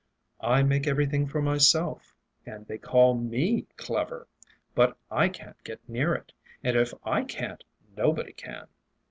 I make everything for myself. And they call me clever! But I can't get near it; and if I can't nobody can."...